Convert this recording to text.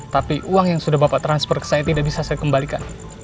tapi uang yang sudah bapak transfer ke saya tidak bisa saya kembalikan